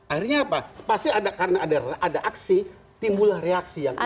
akhirnya apa pasti karena ada aksi timbul reaksi yang indah